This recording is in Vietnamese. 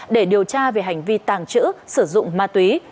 để điều tra về hành vi tàng trữ sử dụng ma túy